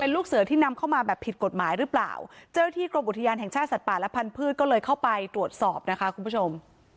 ลูกเสือที่นำเข้ามาแบบผิดกฎหมายหรือเปล่าเจ้าหน้าที่กรมอุทยานแห่งชาติสัตว์ป่าและพันธุ์ก็เลยเข้าไปตรวจสอบนะคะคุณผู้ชม